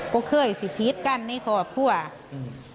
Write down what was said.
ก็เคยสิพีชกั้นนี่หรอเป็นคน